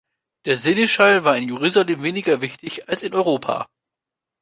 Der Seneschall war in Jerusalem weniger wichtig als in Europa.